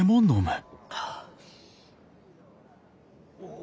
お！